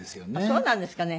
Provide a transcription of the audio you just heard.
そうなんですかね。